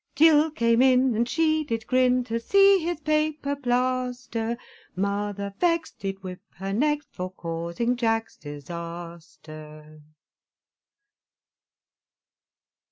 Jill came in and she did grin, To see his paper plaster, Mother, vexed, did whip her next, For causing Jack's disaster.